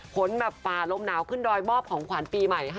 ขนแบบภาลมนะวก็ขึ้นดอยมอบของขวัญปีใหม่